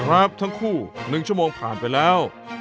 ครับทั้งคู่๑ชั่วโมงผ่านไปแล้ว